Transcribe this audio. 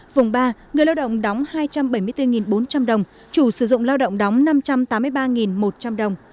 vùng ba người lao động đóng hai trăm bảy mươi bốn bốn trăm linh đồng chủ sử dụng lao động đóng năm trăm tám mươi ba một trăm linh đồng